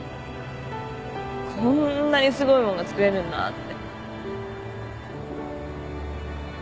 こんなにすごい物が造れるんだって。